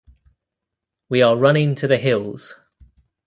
We are running to the hills.